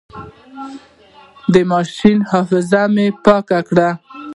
د ماشين حافظه مې پاکه کړه.